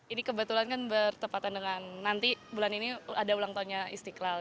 ini kebetulan kan bertepatan dengan nanti bulan ini ada ulang tahunnya istiqlal